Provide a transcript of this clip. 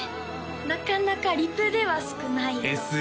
なかなかリプでは少ないＳＮＳね